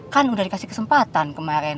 kan udah dikasih kesempatan kemarin